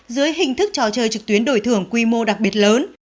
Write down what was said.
dưới hình thức trò chơi trực tuyến đổi thưởng quy mô đặc biệt lớn